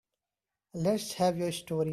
Let's have your story.